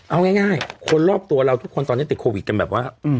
เอาง่ายคนรอบตัวเราทุกคนตอนนี้ติดโควิดกันแบบว่า